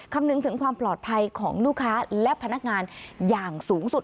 คำนึงถึงความปลอดภัยของลูกค้าและพนักงานอย่างสูงสุด